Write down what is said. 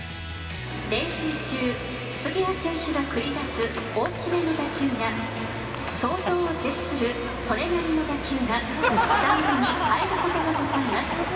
練習中、杉谷選手の繰り出す大きめの打球が、想像を絶するそれなりの打球が、スタンドに入ることがございます。